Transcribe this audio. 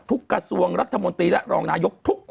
กระทรวงรัฐมนตรีและรองนายกทุกคน